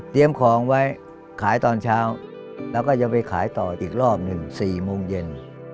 ของไว้ขายตอนเช้าแล้วก็จะไปขายต่ออีกรอบหนึ่ง๔โมงเย็น